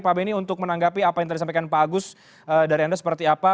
pak benny untuk menanggapi apa yang tadi sampaikan pak agus dari anda seperti apa